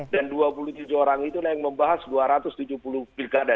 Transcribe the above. dan dua puluh tujuh orang itu yang membahas dua ratus tujuh puluh bilkada